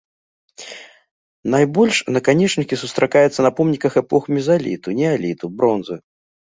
Найбольш наканечнікі сустракаюцца на помніках эпох мезаліту, неаліту, бронзы.